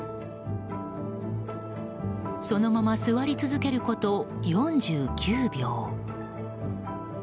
そのまま座り続けること４９秒。